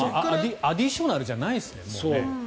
アディショナルじゃないですよね。